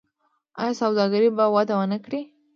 آیا سوداګري به وده ونه کړي؟